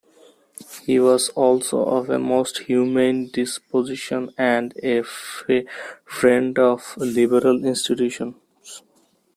He was also of a most humane disposition and a friend of liberal institutions.